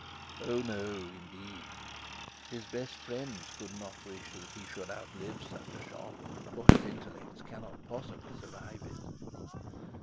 'Oh no; indeed, his best friends could not wish that he should outlive such a shock, for his intellect cannot possibly survive it.'